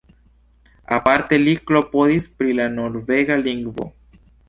Aparte li klopodis pri la norvega lingvo.